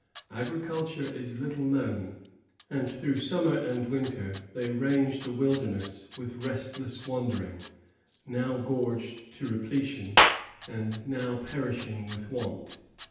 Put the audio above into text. Agriculture is little known, and, through summer and winter, they range the wilderness with restless wandering, now gorged to repletion, and now perishing with want.